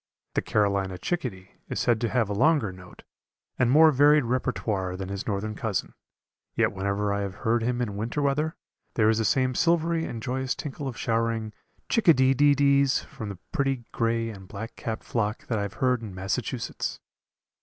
The Carolina chickadee is said to have a longer note and more varied repertoire than his northern cousin, yet whenever I have heard him in winter weather, there is the same silvery and joyous tinkle of showering Chick a dee dee dees from the pretty gray and black capped flock that I have heard in Massachusetts.